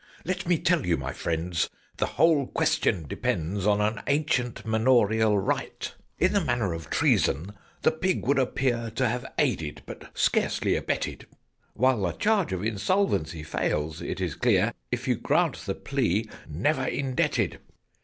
Let me tell you, my friends, the whole question depends On an ancient manorial right. "In the matter of Treason the pig would appear To have aided, but scarcely abetted: While the charge of Insolvency fails, it is clear, If you grant the plea 'never indebted.'